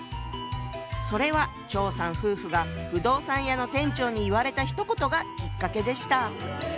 それは張さん夫婦が不動産屋の店長に言われたひと言がきっかけでした。